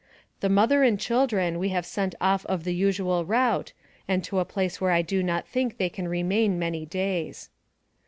The mother and children we have sent off of the usual route, and to a place where I do not think they can remain many days.